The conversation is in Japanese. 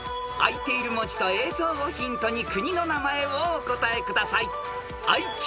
［開いている文字と映像をヒントに国の名前をお答えください］